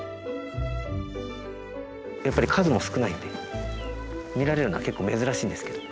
やっぱり数も少ないんで見られるのは結構珍しいんですけど。